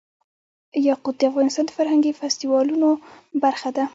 یاقوت د افغانستان د فرهنګي فستیوالونو برخه ده.